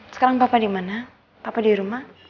sekarang papa dimana papa di rumah